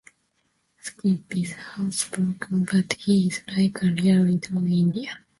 Skip is housebroken, but he is like a real little Indian.